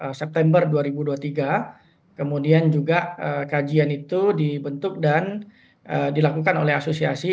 di september dua ribu dua puluh tiga kemudian juga kajian itu dibentuk dan dilakukan oleh asosiasi